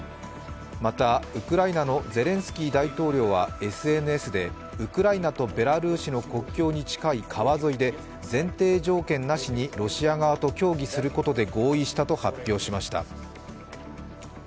また、ウクライナのゼレンスキー大統領はＳＮＳでウクライナとベラルーシの国境に近い川沿いで、前提条件なしにロシア側と協議することで合意したと発表しました。